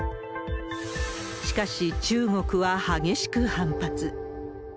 しかし、中国は激しく反発。